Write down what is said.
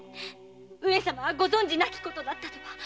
上様はご存じなき事だったとは。